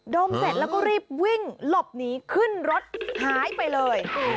มเสร็จแล้วก็รีบวิ่งหลบหนีขึ้นรถหายไปเลย